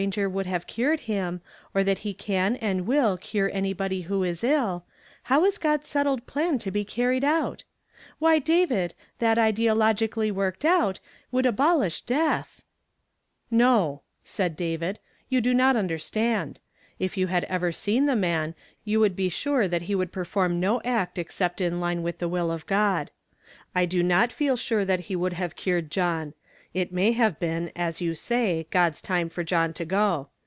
nger would have cured him, or that he can and will cure anybody who is ill, how is God's settled plan to be carried out ? Wh} , David, that idea logically worked out would abolish death !"" No," said David ;" you do not understand. If you had ever seen the man, you would be sure that he would perform no act except in line with the will of God. I do not feel sure that he would have cured John. It may have been, as you say, God's time for John to go.